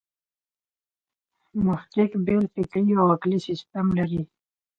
محقق بېل فکري او عقلي سیسټم لري.